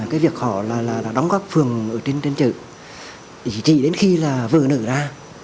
cái việc họ đã đóng góp phường ở trên chợ chỉ đến khi là vợ nữ ra